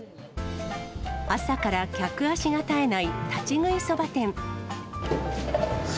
朝から客足が絶えない立ち食いそば店。